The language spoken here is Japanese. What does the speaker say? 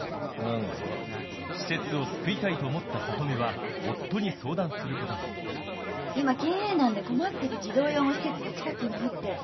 施設を救いたいと思った里美は夫に相談することに今経営難で困ってる児童養護施設が近くにあって。